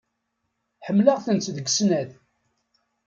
Ḥemmleɣ-tent deg snat.